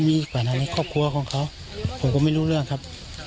มีขวัญอะไรครอบครัวของเขาผมก็ไม่รู้เรื่องครับ